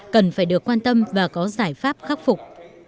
cần phải được quan tâm và có giải pháp khắc phục